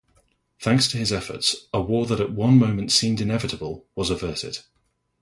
Thanks to his efforts, a war that at one moment seemed inevitable was averted.